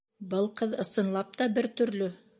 Был ҡыҙ, ысынлап та бер төрлө!